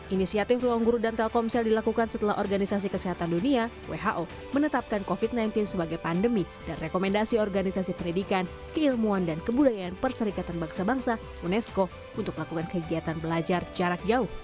inisiatif ruang guru dan telkomsel dilakukan setelah organisasi kesehatan dunia who menetapkan covid sembilan belas sebagai pandemi dan rekomendasi organisasi pendidikan keilmuan dan kebudayaan perserikatan bangsa bangsa unesco untuk melakukan kegiatan belajar jarak jauh